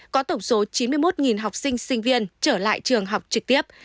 có tổng số chín mươi một học sinh sinh viên trở lại trường học trực tiếp